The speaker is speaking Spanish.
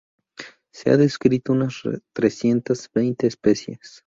Se ha descrito unas trescientas veinte especies.